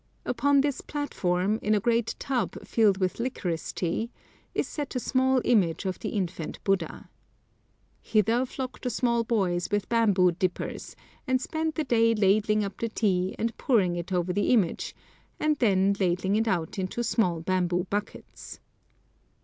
Upon this platform, in a great tub filled with licorice tea, is set a small image of the infant Buddha. Hither flock the small boys with bamboo dippers, and spend the day ladling up the tea and pouring it over the image, and then ladling it out into small bamboo buckets.